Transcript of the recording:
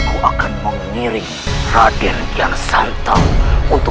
aku akan mengiring raden kiansantang